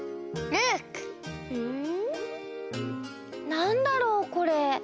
なんだろうこれ？